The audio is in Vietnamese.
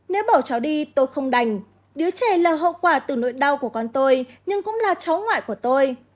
nếu bỏ cháu đi tôi không đành đứa trẻ là hậu quả từ nỗi đau của con tôi nhưng cũng là cháu ngoại của tôi